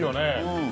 うん。